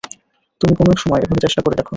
তুমি কোনো একসময় এভাবে চেষ্টা করে দেখো।